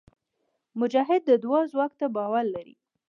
مجاهد د دعا ځواک ته باور لري.